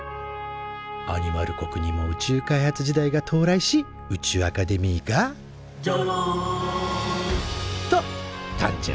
アニマル国にも宇宙開発時代が到来し宇宙アカデミーが「じゃらん」と誕生。